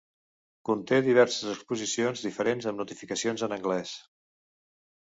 Conté diverses exposicions diferents amb notificacions en anglès.